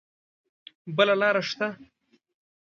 بله لار شته؟